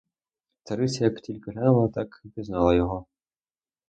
Цариця, як тільки глянула, так і пізнала його.